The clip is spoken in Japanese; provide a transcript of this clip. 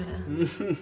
フフフ。